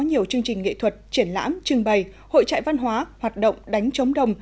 nhiều chương trình nghệ thuật triển lãm trưng bày hội trại văn hóa hoạt động đánh trống đồng